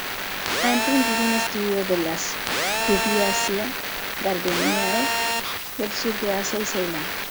Ha emprendido un estudio de las Rubiaceae-Gardeniae del sur de Asia y Ceilán.